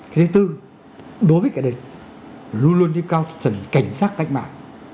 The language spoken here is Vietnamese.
cái thứ tư đối với cái đấy luôn luôn đi cao tinh thần cảnh giác tách mạng